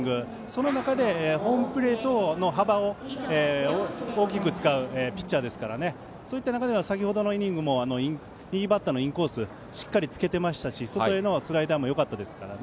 その中で、ホームプレートの幅を大きく使うピッチャーですからそういった中では先ほどのイニングも右バッターのインコースをしっかりつけていましたし外へのスライダーもよかったです。